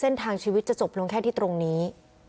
เส้นทางชีวิตจะจบลงแค่ที่ตรงนี้